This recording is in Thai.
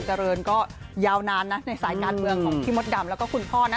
เจริญก็ยาวนานนะในสายการเมืองของพี่มดดำแล้วก็คุณพ่อนะ